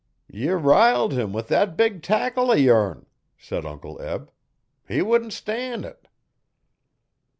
'Ye riled him with that big tackle o' yourn,' said Uncle Eb. 'He wouldn't stan' it.'